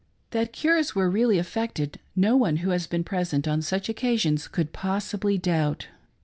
That cures were really affected, no one who has been present on such occasions could possibly doubt.